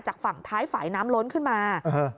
จากฝั่งท้ายฝ่ายน้ำล้นขึ้นมา